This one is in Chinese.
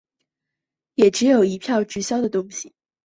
也只有一票直销的东西